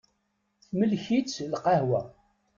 Temlek-itt lqahwa.